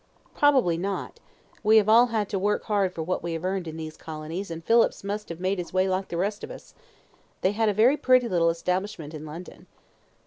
"Probably not; we have all had to work hard for what we have earned in these colonies and Phillips must have made his way like the rest of us. They had a very pretty little establishment in London."